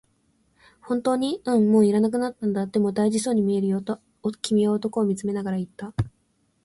「本当に？」、「うん、もう要らなくなったんだ」、「でも、大事そうに見えるよ」と君は男を見つめながら言った。